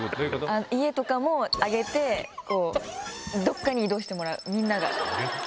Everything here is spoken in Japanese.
家とかも上げてどっかに移動してもらうみんなが。